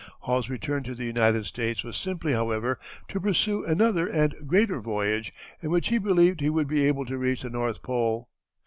Hall's return to the United States was simply, however, to pursue another and greater voyage, in which he believed he would be able to reach the North Pole.